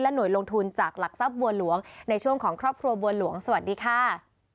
หน่วยลงทุนจากหลักทรัพย์บัวหลวงในช่วงของครอบครัวบัวหลวงสวัสดีค่ะ